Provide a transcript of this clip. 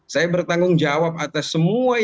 saya bertanggung jawab atas semua yang saya temukan